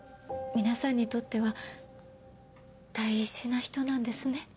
皆さんにとっては大事な人なんですね。